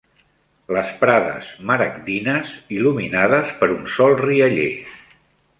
Les prades maragdines, il·luminades per un sol rialler.